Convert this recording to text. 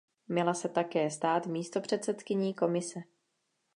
Měla se také stát místopředsedkyní komise.